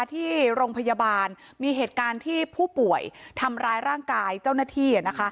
ที่โรงพยาบาลมีเหตุการณ์ที่ผู้ป่วยทำร้ายร่างกายเจ้าหน้าที่